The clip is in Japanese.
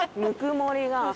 ぬくもりが。